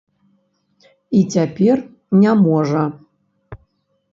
І цяпер не можа.